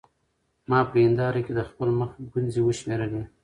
ما په هېنداره کې د خپل مخ ګونځې وشمېرلې.